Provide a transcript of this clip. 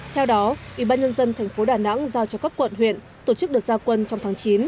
theo đó ủy ban nhân dân thành phố đà nẵng giao cho các quận huyện tổ chức đợt gia quân trong tháng chín